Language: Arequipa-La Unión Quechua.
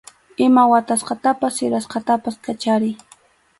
Ima watasqatapas sirasqatapas kachariy.